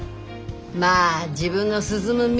まあ自分の進む道だ。